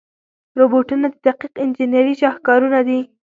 روبوټونه د دقیق انجنیري شاهکارونه دي.